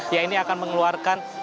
yang ini akan mengeluarkan